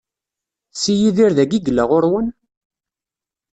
Si Yidir dagi i yella ɣur-wen?